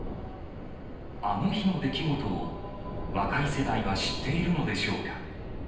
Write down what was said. あの日の出来事を若い世代は知っているのでしょうか。